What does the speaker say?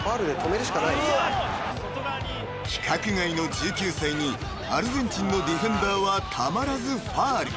［規格外の１９歳にアルゼンチンのディフェンダーはたまらずファウル］